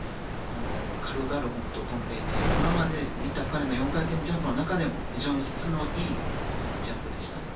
軽々と跳んでいて、今まで見た彼の４回転ジャンプの中でも非常に質のいいジャンプでした。